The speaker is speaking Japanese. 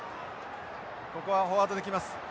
ここはフォワードで来ます。